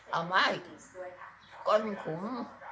เอามาก้นขุม